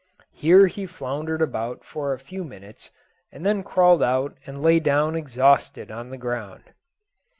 Here he floundered about for a few minutes, and then crawled out and lay down exhausted on the ground.